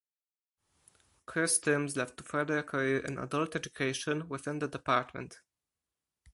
Chris Timms left to further a career in Adult Education within the Dept.